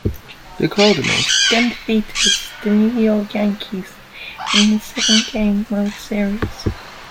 The Cardinals then defeated the New York Yankees in a seven-game World Series.